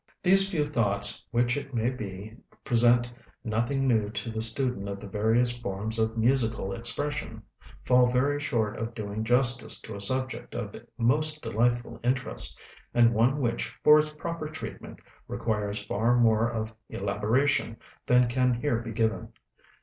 These few thoughts, which, it may be, present nothing new to the student of the various forms of musical expression, fall very short of doing justice to a subject of most delightful interest, and one which, for its proper treatment, requires far more of elaboration than can here be given.